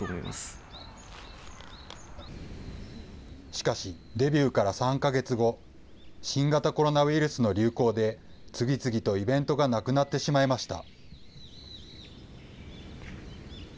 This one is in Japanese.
しかし、デビューから３か月後、新型コロナウイルスの流行で、次々とイベントがなくなってしまいました。